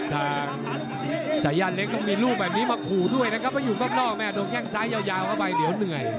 ทางสายันเล็กต้องมีลูกแบบนี้มาขู่ด้วยนะครับเพราะอยู่ข้างนอกแม่โดนแข้งซ้ายยาวเข้าไปเดี๋ยวเหนื่อย